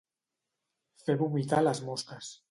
Fer vomitar a les mosques.